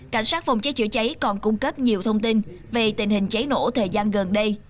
cảnh sát phòng cháy chữa cháy còn cung cấp nhiều thông tin về tình hình cháy nổ thời gian gần đây